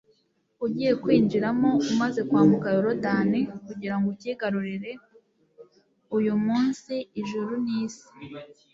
ugiye kwinjiramo umaze kwambuka yorudani, kugira ngo ukigarurire. uyu munsi, ijuru n'isi